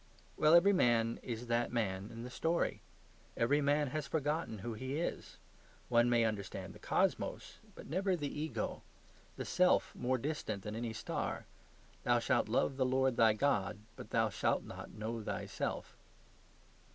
Well, every man is that man in the story. Every man has forgotten who he is. One may understand the cosmos, but never the ego; the self is more distant than any star. Thou shalt love the Lord thy God; but thou shalt not know thyself.